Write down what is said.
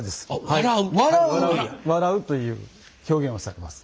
笑うという表現をされます。